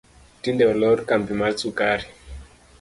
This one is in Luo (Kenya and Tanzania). Tinde olor kambi mar sukari